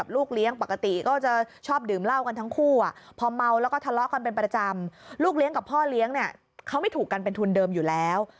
ลูกเลี้ยงกับพ่อเลี้ยงเขาไม่ถูกกันเป็นทุนเดิมอยู่แล้ว